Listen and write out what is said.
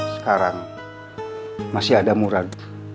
sekarang masih ada murad